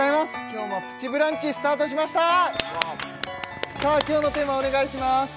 今日のテーマお願いします！